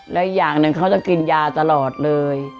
และอีกอย่างหนึ่งเขาจะกินยาตลอดเลย